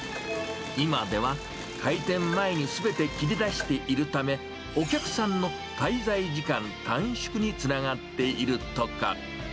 今では開店前にすべて切り出しているため、お客さんの滞在時間短縮につながっているとか。